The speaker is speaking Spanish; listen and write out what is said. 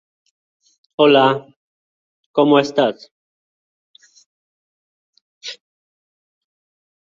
Los abuelos, que aprendieron a cantar en Arkansas, inculcaron la música en sus nietos.